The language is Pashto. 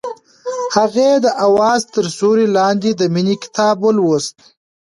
هغې د اواز تر سیوري لاندې د مینې کتاب ولوست.